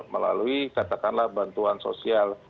melalui katakanlah bantuan sosial